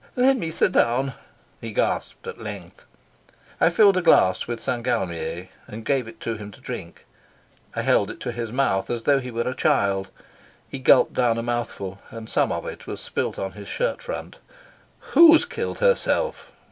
"Let me sit down," he gasped at length. I filled a glass with St. Galmier, and gave it to him to drink. I held it to his mouth as though he were a child. He gulped down a mouthful, and some of it was spilt on his shirt front. "Who's killed herself?"